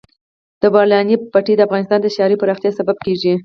د بولان پټي د افغانستان د ښاري پراختیا سبب کېږي.